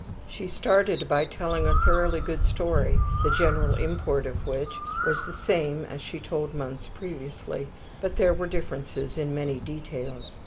She started by telling a thoroughly good story, the general import of which was the same as she told months previously, but there were differences in many details.